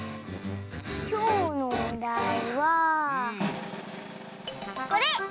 きょうのおだいはこれ！